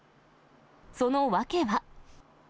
その訳は。